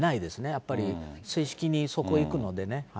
やっぱり正式にそこ行くのでね。